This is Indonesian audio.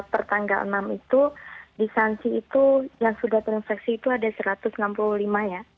pertanggal enam itu di sansi itu yang sudah terinfeksi itu ada satu ratus enam puluh lima ya